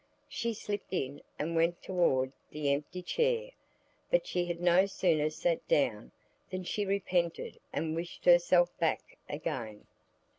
She slipped in and went toward the empty chair. But she had no sooner sat down than she repented and wished herself back again.